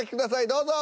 どうぞ。